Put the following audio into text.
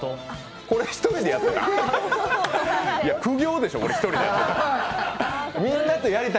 これ、１人でやってた？